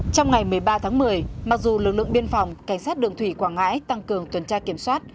trong ngày một mươi ba tháng một mươi mặc dù lực lượng biên phòng cảnh sát đường thủy quảng ngãi tăng cường tuần tra kiểm soát